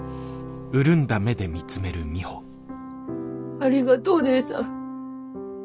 ありがとお姉さん。